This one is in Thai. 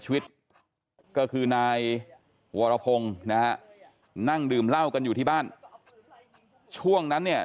ชีวิตก็คือนายวรพงศ์นะฮะนั่งดื่มเหล้ากันอยู่ที่บ้านช่วงนั้นเนี่ย